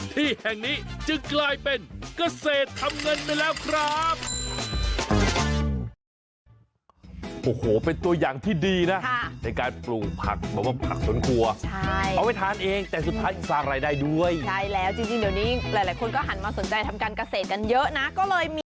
ที่แห่งนี้จึงกลายเป็นเกษตรทำเงินไปแล้วครับ